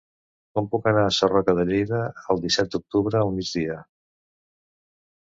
Com puc anar a Sarroca de Lleida el disset d'octubre al migdia?